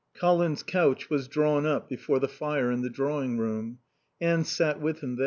Colin's couch was drawn up before the fire in the drawing room. Anne sat with him there.